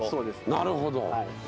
なるほど。